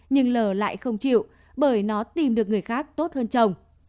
nhưng lờ lại không chịu bởi nó tìm được người khác tốt hơn chồng